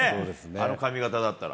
あの髪形だったら。